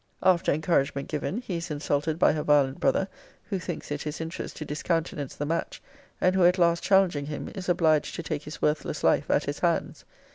'After encouragement given, he is insulted by her violent brother; who thinks it his interest to discountenance the match; and who at last challenging him, is obliged to take his worthless life at his hands.